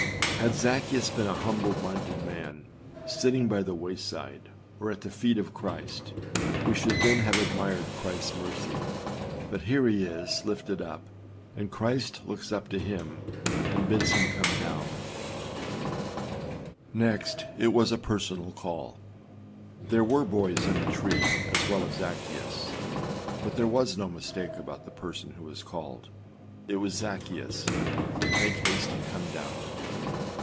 â Had Zaccheus been a humble minded man, sitting by the wayside, or at the feet of Christ, we should 320 ClassicChristianLibrary.com 73 Effectual Calling Luke 19:5 then have admired Christâs mercy; but here he is lifted up, and Christ looks up to him, and bids him come down. 2. Next it was a personal call. There were boys in the tree as well as Zaccheus but there was no mistake about the person who was called. It was, â Zaccheus , make haste and come down.